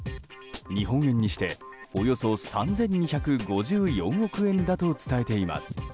日本円にしておよそ３２５４億円だと伝えています。